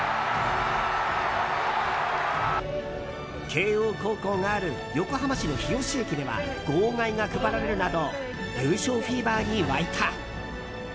慶應高校がある横浜市の日吉駅では号外が配られるなど優勝フィーバーに沸いた。